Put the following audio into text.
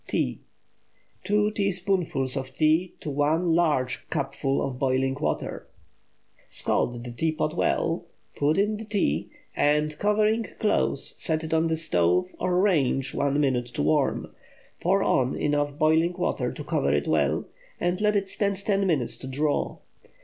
TEA. 2 teaspoonfuls of tea to one large cupful of boiling water. Scald the teapot well, put in the tea, and, covering close, set it on the stove or range one minute to warm; pour on enough boiling water to cover it well, and let it stand ten minutes to "draw."